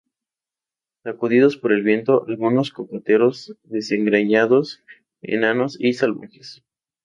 sacudidos por el viento, algunos cocoteros desgreñados, enanos y salvajes.